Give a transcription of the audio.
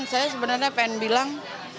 dan saya sebenarnya ingin bilang